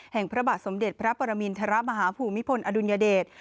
พระบาทสมเด็จพระปรมินทรมาฮภูมิพลอดุลยเดช